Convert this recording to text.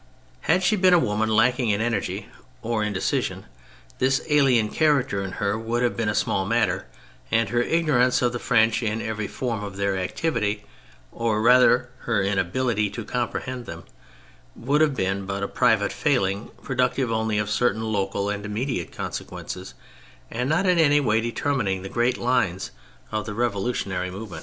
Had she been a woman lacking in energy or in decision, this alien character in her would have been a small matter, and her ignorance of the French in every form of their activity, or rather her inability to comprehend them, would have been but a private failing productive only of certain local and immediate consequences, and not in any way determining the great lines of the revolutionary movement.